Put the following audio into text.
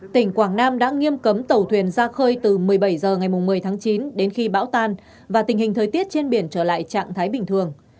tỉnh quảng nam đã nghiêm cấm tàu thuyền ra khơi từ một mươi bảy h ngày một mươi tháng chín đến khi bão tan và tình hình thời tiết trên biển trở lại trạng thái bình thường